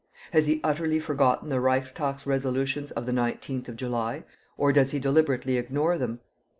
Has he utterly forgotten the Reichstag resolutions of the 19th of July, or does he deliberately ignore them?